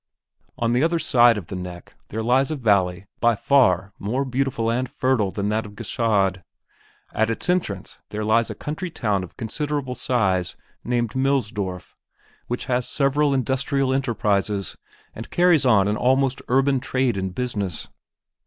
On the other side of the "neck" there lies a valley by far more beautiful and fertile than that of Gschaid. At its entrance there lies a country town of considerable size named Millsdorf which has several industrial enterprizes and carries on almost urban trade and business.